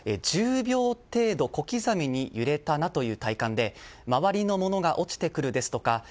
１０秒程度、小刻みに揺れたなという体感で周りの物が落ちてくるですとか